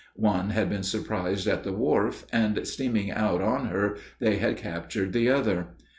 One had been surprised at the wharf, and steaming out on her, they had captured the other.